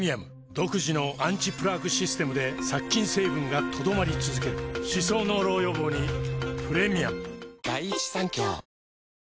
独自のアンチプラークシステムで殺菌成分が留まり続ける歯槽膿漏予防にプレミアムなわとびビュンビュン体操教室